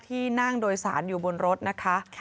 ที่นั่งโดยสารอยู่บนรถนะคะ